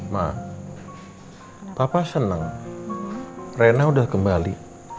ma papa seneng rena sudah kembali